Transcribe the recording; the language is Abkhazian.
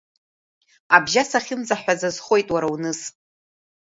Абжьас иахьынӡаҳҳәаз азхоит, уара уныс.